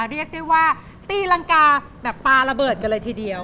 เรียกได้ว่าตีรังกาแบบปลาระเบิดกันเลยทีเดียว